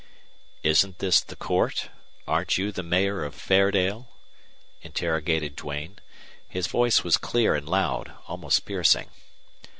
"Isn't this the court? Aren't you the Mayor of Fairdale?" interrogated Duane. His voice was clear and loud, almost piercing.